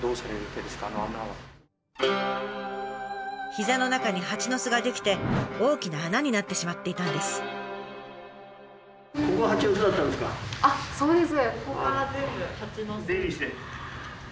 膝の中に蜂の巣が出来て大きな穴になってしまっていたんです。